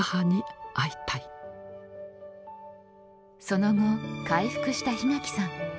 その後回復した檜垣さん。